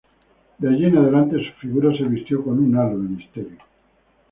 De allí en adelante, su figura se vistió con un halo de misterio.